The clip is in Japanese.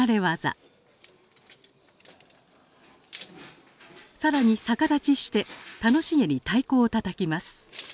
更に逆立ちして楽しげに太鼓をたたきます。